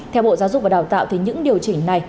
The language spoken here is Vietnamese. theo bộ giáo dục và đào tạo thì những điều chỉnh này